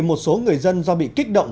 một số người dân do bị kích động